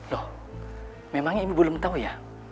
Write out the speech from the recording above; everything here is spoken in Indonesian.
loh memangnya ibu belum tahu ya